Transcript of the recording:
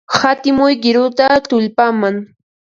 Hatimuy qiruta tullpaman.